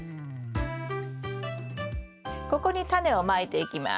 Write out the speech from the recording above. ここにタネをまいていきます。